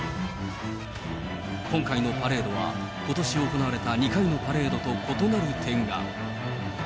今回のパレードは、ことし行われた２回のパレードと異なる点が。